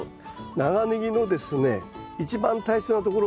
長ネギのですね一番大切なところはですね